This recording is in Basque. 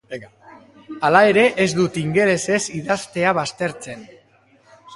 Hala ere ez dut ingelesez idaztea baztertzen.